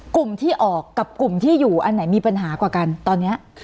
กลุ่มที่ออกกับกลุ่มที่อยู่อันไหนมีปัญหากว่ากันตอนนี้